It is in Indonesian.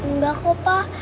nggak kok pak